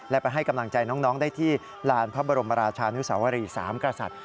และไปให้กำลังใจน้องได้ที่ลานพระบรมราชานุสาวรีสามกษัตริย์